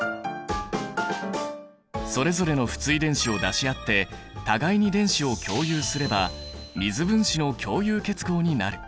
それぞれの不対電子を出し合って互いに電子を共有すれば水分子の共有結合になる。